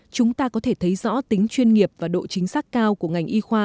chúng ta có thể thấy rõ tính chuyên nghiệp và độ chính xác cao của ngành y khoa